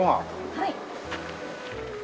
はい。